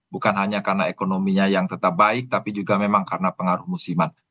bukan hanya karena ekonominya yang tetap baik tapi juga memang karena pengaruh musiman